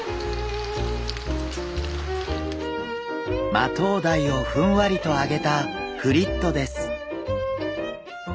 マトウダイをふんわりと揚げたフリットです。